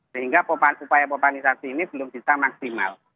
sehingga upaya popanisasi ini belum bisa maksimal